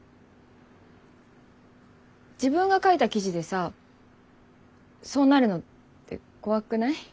自分が書いた記事でさそうなるのって怖くない？